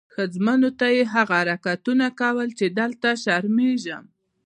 ښځمنو ته یې هغه حرکتونه کول چې دلته شرمېږم.